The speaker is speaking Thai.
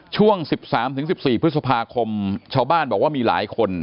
ช่วง๑๓๑๔พฤษภาคมชาวบ้านบอกว่ามีหลายคน